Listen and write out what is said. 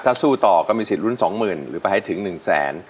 ถ้าสู้ต่อก็มีสิทธิ์รุน๒หมื่นหรือประให้ถึง๑แสน